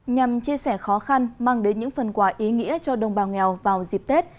nhằm chia sẻ khó khăn mang đến những phần quà ý nghĩa cho đồng bào nghèo vào dịp tết